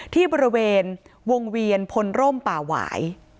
ที่บริเวณวงเวียนพลร่มป่าหวาย